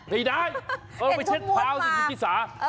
ไม่ได้เอามาเช็ดเท้าสิคิดพี่สา